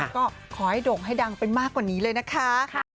ก็ขอให้โด่งให้ดังไปมากกว่านี้เลยนะคะ